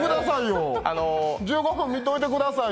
１５分見といてくださいよ。